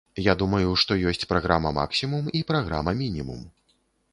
Я думаю, што ёсць праграма-максімум і праграма-мінімум.